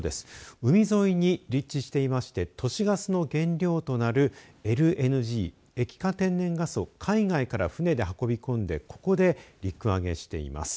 海沿いに立地していまして都市ガスの原料となるＬＮＧ＝液化天然ガスを海外から船で運び込んでここで陸揚げしています。